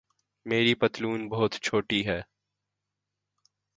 میری پتلون بہت چھوٹی ہے